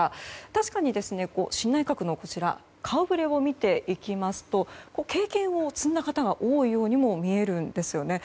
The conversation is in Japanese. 確かに、新内閣の顔ぶれを見ていきますと経験を積んだ方が多いようにも見えるんですよね。